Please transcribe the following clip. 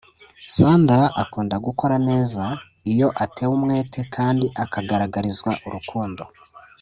Sandra abasha gukora neza iyo atewe umwete kandi akagaragarizwa urukundo